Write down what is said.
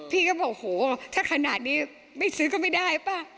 พี่ก็บอกโหถ้าขนาดนี้ไม่ซื้อก็ไม่ได้ป่ะ